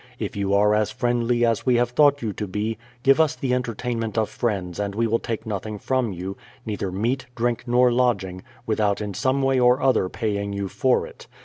If you are as friendly as we have thought you to be, give us the entertainment of friends and we will take nothing from you, neither meat, drink, nor lodging, without in some way or other paying you for it.